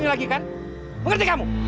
nggak punya duit tau